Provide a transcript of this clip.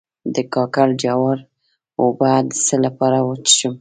د کاکل جوار اوبه د څه لپاره وڅښم؟